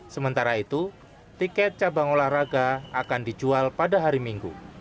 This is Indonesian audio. sementara itu tiket cabang olahraga akan dijual pada hari minggu